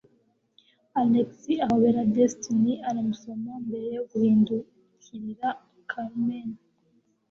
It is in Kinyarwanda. Alex ahobera Destiny aramusoma mbere yo guhindukirira Carmen.